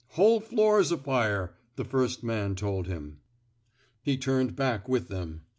*' Whole floor's afire,'' the first man told him. He turned, back with them.